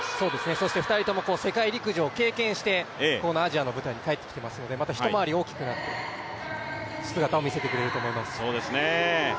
そして２人とも世界陸上を経験して帰ってきてますのでまた一回り大きくなった姿を見せてくれると思います。